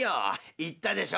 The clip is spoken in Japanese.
言ったでしょう